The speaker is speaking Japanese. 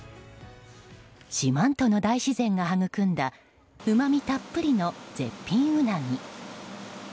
四万十の大自然が育んだうまみたっぷりの絶品ウナギ。